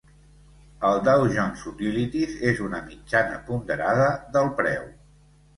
El Dow Jones Utilities és una mitjana ponderada del preu.